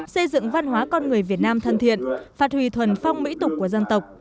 xây dựng văn hóa con người việt nam thân thiện phát huy thuần phong mỹ tục của dân tộc